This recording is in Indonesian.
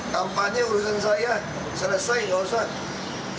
kampanye urusan saya selesai nggak usah